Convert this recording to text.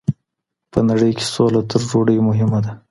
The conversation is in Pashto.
په نړۍ کي سوله تر ډوډۍ مهمه ده.